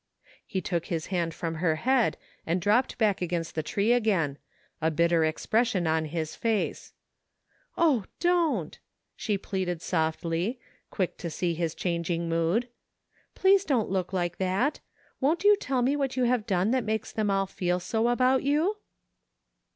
He took his hand from her head and dropped back against the tree again, a bitter expression on his face. "Oh, don't," she pleaded softly, quick to see his changing mood. " Please don't look like that Won't you tell me what you have done that makes them all feel so about you